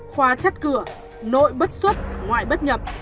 khóa chắt cửa nội bất xuất ngoại bất nhập